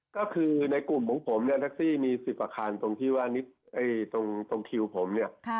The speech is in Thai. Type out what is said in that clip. ก็คือในกลุ่มของผมเนี้ยแท็กซี่มีสิบอัคคันตรงที่ว่านิตเอ่ยตรงตรงคิวผมเนี้ยค่ะ